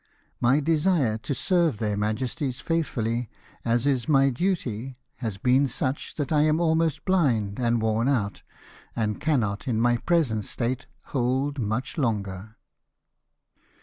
My desire to serve their Majesties faithfully, as is my duty, has been such that I am almost blind and worn out, and cannot, in my present state, hold much longer."